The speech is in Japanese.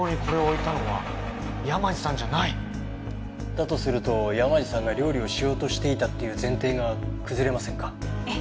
だとすると山路さんが料理をしようとしていたっていう前提が崩れませんか？